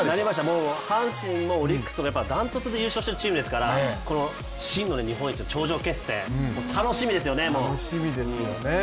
もう阪神もオリックスもダントツで優勝しているチームですからこの真の日本一の頂上決戦楽しみですよね、もう。